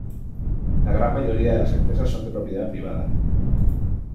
La gran mayoría de las empresas son de propiedad privada.